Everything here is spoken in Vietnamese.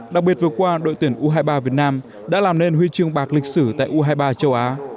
đặc biệt vừa qua đội tuyển u hai mươi ba việt nam đã làm nên huy chương bạc lịch sử tại u hai mươi ba châu á